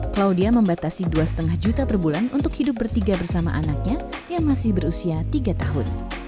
claudia membatasi dua lima juta per bulan untuk hidup bertiga bersama anaknya yang masih berusia tiga tahun